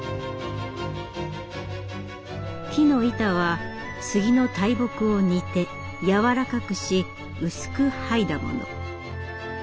木の板は杉の大木を煮てやわらかくし薄く剥いだもの。